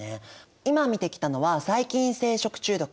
今見てきたのは細菌性食中毒。